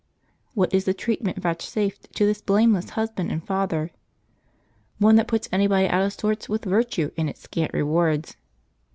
What is the treatment vouchsafed to this blameless husband and father? One that puts anybody out of sorts with virtue and its scant rewards.